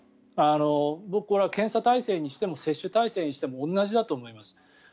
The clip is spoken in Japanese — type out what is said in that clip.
僕、検査体制にしても接種体制にしても同じだと思います。